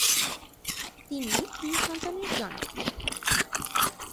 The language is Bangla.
তিনি তিন সন্তানের জনক।